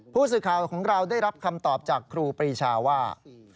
ผู้สื่อข่าวของเราได้รับคำตอบจากครูปรีชาว่า